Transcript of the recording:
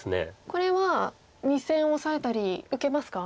これは２線オサえたり受けますか？